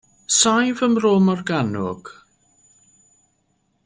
Saif ym Mro Morgannwg.